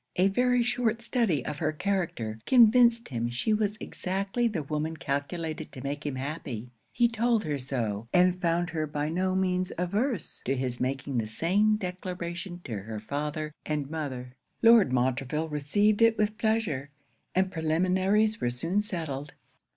A very short study of her character convinced him she was exactly the woman calculated to make him happy. He told her so; and found her by no means averse to his making the same declaration to her father and mother. Lord Montreville received it with pleasure; and preliminaries were soon settled.